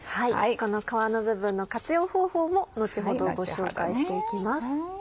この皮の部分の活用方法も後ほどご紹介していきます。